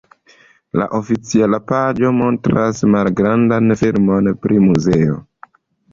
La oficiala paĝo montras malgrandan filmon pri muzeo.